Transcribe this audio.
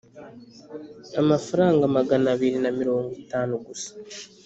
Amafaranga magana abiri na mirongo itanu gusa